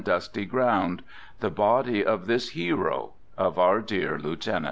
dusty ground, the body of this hero, of our dear 1 lieutenant.